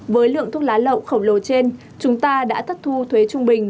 với lượng thuốc lá lậu khổng lồ trên chúng ta đã thất thu thuế trung bình